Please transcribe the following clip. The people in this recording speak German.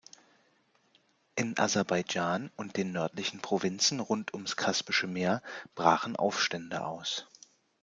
In Aserbaidschan und den nördlichen Provinzen rund ums kaspische Meer brachen Aufstände aus.